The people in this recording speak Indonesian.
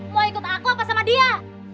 mau ikut aku sama dia